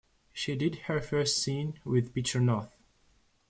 She did her first scene with Peter North.